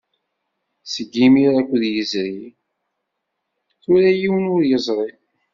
Seg imir akud yezri, tura yiwen ur yeẓri.